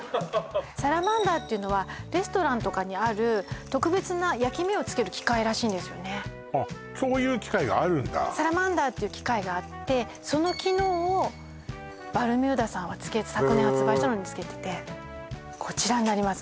サラマンダーっていうのはレストランとかにある特別な焼き目をつける機械らしいんですよねあっそういう機械があるんだサラマンダーっていう機械があってその機能をバルミューダさんは昨年発売したのにつけててこちらになります